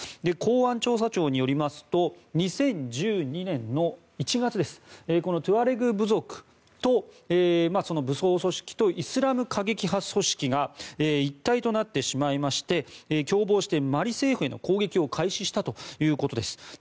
公安調査庁によりますと２０１２年の１月にこのトゥアレグ部族と武装組織とイスラム過激派組織が一体となってしまいまして共謀してマリ政府への攻撃を開始したということです。